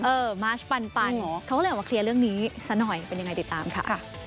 เออมาร์ชปันเขาเลยเอามาเคลียร์เรื่องนี้สักหน่อยเป็นยังไงติดตามค่ะ